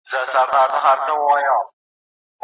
مهران